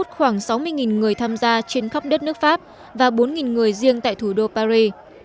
khoảng sáu mươi người tham gia trên khắp đất nước pháp và bốn người riêng tại thủ đô paris